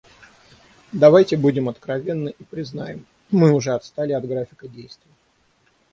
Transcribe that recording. Давайте будем откровенны и признаем − мы уже отстали от графика действий.